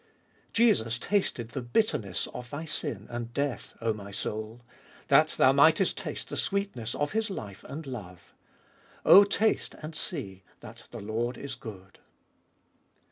2. Jesus tasted the bitterness of thy sin and death, 0 my soul ; that thou mightest taste the sweetness of His life and love. 0 taste and see that the Lord is good.